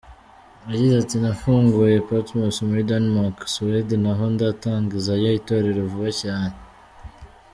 Yagize ati : "Nafunguye Patmos muri Danemark, Suwede naho ndatangizayo itorero vuba cyane."